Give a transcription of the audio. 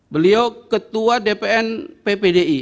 beliau ketua dpn ppdi